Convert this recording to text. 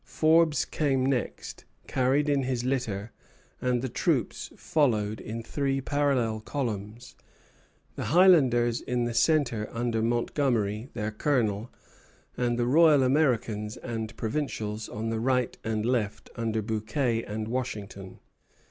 Forbes came next, carried in his litter; and the troops followed in three parallel columns, the Highlanders in the centre under Montgomery, their colonel, and the Royal Americans and provincials on the right and left, under Bouquet and Washington.